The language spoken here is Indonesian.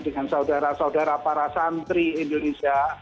dengan saudara saudara para santri indonesia